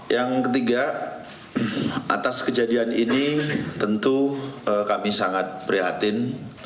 yang ketiga atas kejadian ini tentu kami sangat prihatin